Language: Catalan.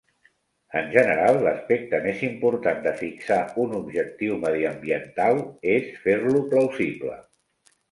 En general, l'aspecte més important de fixar un objectiu mediambiental és fer-lo plausible.